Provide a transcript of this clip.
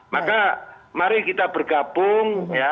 maka mari kita bergabung